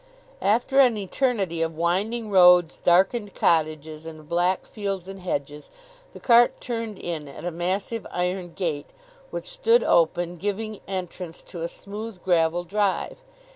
After an eternity of winding roads, darkened cottages, and black fields and hedges, the cart turned in at a massive iron gate, which stood open giving entrance to a smooth gravel drive.